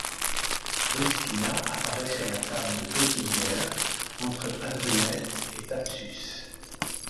Ruspina apparaît sur la table de Peutinger, entre Hadrumète et Thapsus.